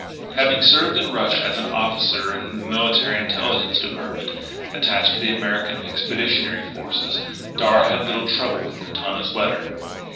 Having served in Russia as an officer in the Military Intelligence Department attached to the American Expeditionary Forces, Darragh had little trouble with Quintana's letter.